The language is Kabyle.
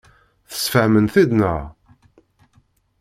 Tesfehmem-t-id, naɣ?